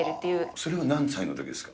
それは何歳のときですか。